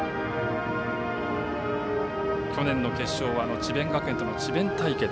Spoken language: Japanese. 去年の決勝は智弁学園との智弁対決。